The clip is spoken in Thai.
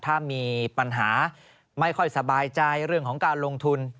ถ้ามีปัญหาไม่ค่อยสบายใจเรื่องของการลงทุน